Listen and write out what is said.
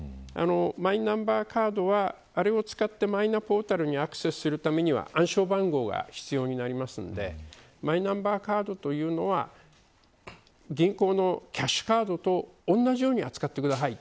マイナンバーカードはあれを使ってマイナポータルにアクセスするためには暗証番号が必要なのでマイナンバーカードというのは銀行のキャッシュカードと同じように扱ってください。